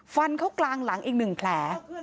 ฟันเข้ากลางหลังอีก๑แผล